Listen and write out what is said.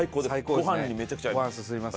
ご飯にめちゃくちゃ合います。